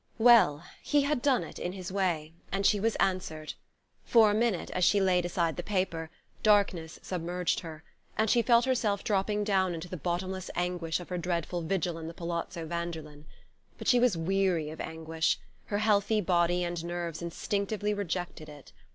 Well he had done it in his way, and she was answered. For a minute, as she laid aside the paper, darkness submerged her, and she felt herself dropping down into the bottomless anguish of her dreadful vigil in the Palazzo Vanderlyn. But she was weary of anguish: her healthy body and nerves instinctively rejected it.